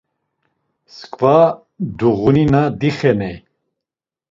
Msǩva duğunina dixeney.